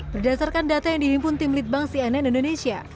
berdasarkan data yang dihimpun tim litbang cnn indonesia